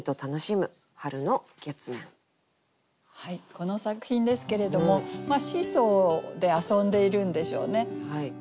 この作品ですけれどもシーソーで遊んでいるんでしょうね。